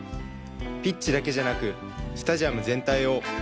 ピッチだけじゃなくスタジアム全体を。